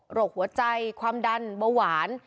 โรคหัวใจความดันเบาหวาน